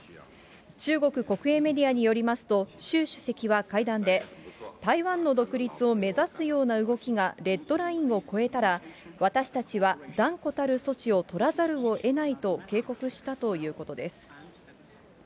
中国国営メディアによりますと、習主席は会談で、台湾の独立を目指すような動きがレッドラインを越えたら、私たちは断固たる措置を取らざるをえないと警告したということです。